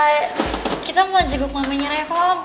ee kita mau jenguk mamenya reva om